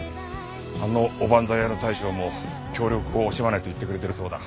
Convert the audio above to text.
あのおばんざい屋の大将も協力を惜しまないと言ってくれてるそうだ。